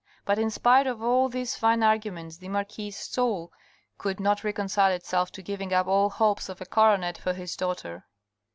But in spite of all these fine arguments the marquis's soul could not reconcile itself to giving up all hopes of a coronet for his daughter.